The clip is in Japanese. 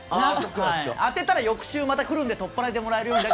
当てたら翌週また来るんで取っ払いでくるんで。